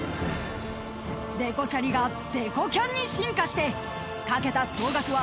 ［デコチャリがデコキャンに進化してかけた総額は］